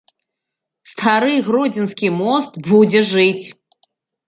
Стары гродзенскі мост будзе жыць!